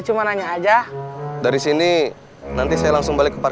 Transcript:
sudah siap tempur